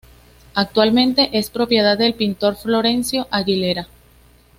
Actualmente es propiedad del pintor Florencio Aguilera.